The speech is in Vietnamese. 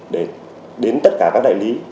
để đến tất cả các đại lý